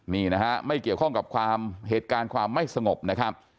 นี่นะฮะไม่เกี่ยวข้องกับความเหตุการณ์ความไม่สงบนะครับ